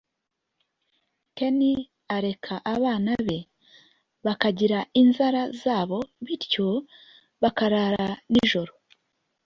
Ken areka abana be bakagira inzira zabo bityo bakarara nijoro